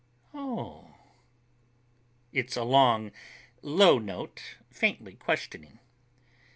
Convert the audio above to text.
"Oh h h." It's a long, low note, faintly questioning.